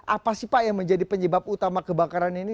apa sih pak yang menjadi penyebab utama kebakaran ini